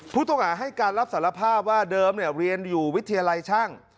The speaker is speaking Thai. ผู้ต้องหาให้การรับสารภาพว่าเดิมเรียนอยู่วิทยาลัยช่าง